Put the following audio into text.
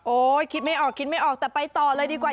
คิดไม่ออกคิดไม่ออกแต่ไปต่อเลยดีกว่า